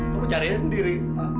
kamu carinya sendiri